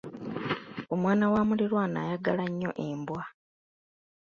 Omwana wa muliraanwa ayagala nnyo embwa.